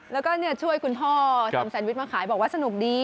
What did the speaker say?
แล้วก็ช่วยคุณพ่อทำแซนวิชมาขายบอกว่าสนุกดี